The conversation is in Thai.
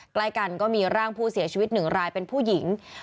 ใกล้กันก็มีร่างผู้เสียชีวิตหนึ่งรายเป็นผู้หญิง